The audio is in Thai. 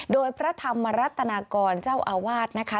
โดยพระธรรมรัตนากรเจ้าอาวาสนะคะ